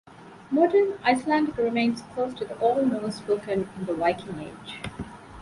Modern Icelandic remains close to the Old Norse spoken in the Viking Age.